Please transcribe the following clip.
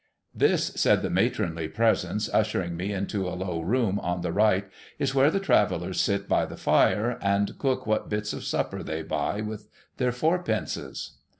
' This,' said the matronly presence, ushering me into a low room on the right, ' is where the Travellers sit by the fire, and cook what bits of suppers they buy with their fourpences.'